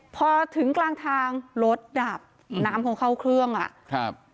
พอถึงกลางทางรถดับน้ำคงเข้าเครื่องอ่ะครับ